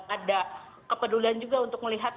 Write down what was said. ada kepedulian juga untuk melihat